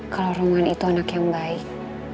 kalau rombongan itu anak yang baik